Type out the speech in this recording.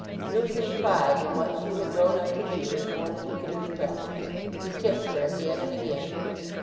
Newson's pride in what she had grown up to be was more than he could express. He kissed her again and again.